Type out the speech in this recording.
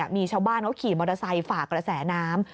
มีชาวบ้านเขาขี่มอเตอร์ไซค์ฝ่ากระแสน้ำ